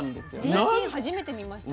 全身初めて見ました。